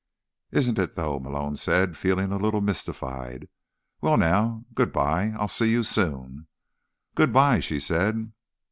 "Isn't it, though?" Malone said, feeling a little mystified. "Well, now. Goodbye. I'll see you soon." "Goodbye," she said.